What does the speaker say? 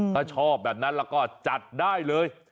ถ้าชอบแบบนั้นแล้วก็จัดได้เลย